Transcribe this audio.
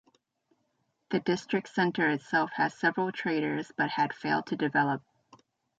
The District Centre itself has several traders but had failed to develop.